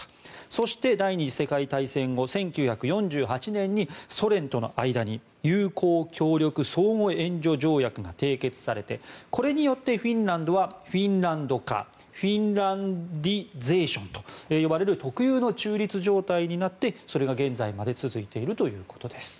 そして第２次世界大戦後１９４８年にソ連との間に友好協力相互援助条約が締結されてこれによってフィンランドはフィンランド化フィンランディゼーションと呼ばれる特有の中立状態になってそれが現在まで続いているということです。